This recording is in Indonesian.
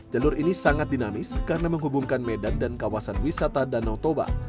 jalur ini sangat dinamis karena menghubungkan medan dan kawasan wisata danau toba